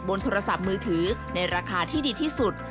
โทรศัพท์มือถือในราคาที่ดีที่สุด